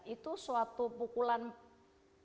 itu suatu pukulan besar